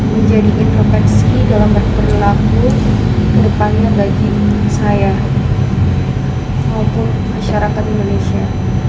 menjadi intervensi dalam berperilaku ke depannya bagi saya maupun masyarakat indonesia